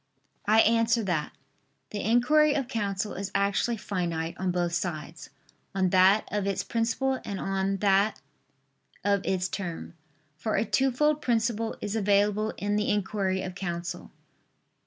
I answer that, The inquiry of counsel is actually finite on both sides, on that of its principle and on that of its term. For a twofold principle is available in the inquiry of counsel.